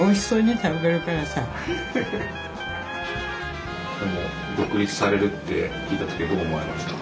でも独立されるって聞いた時はどう思われました？